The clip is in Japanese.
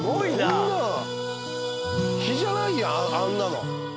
こんなん比じゃないじゃんあんなの。